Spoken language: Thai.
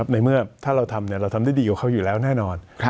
ในเมื่อถ้าเราทำเราทำได้ดีกว่าเขาอยู่แล้วแน่นอน